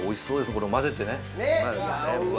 これ混ぜてねうわ